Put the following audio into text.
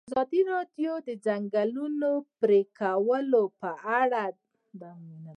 ازادي راډیو د د ځنګلونو پرېکول په اړه د معارفې پروګرامونه چلولي.